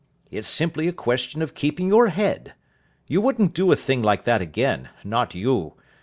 It's simply a question of keeping your head. You wouldn't do a thing like that again, not you.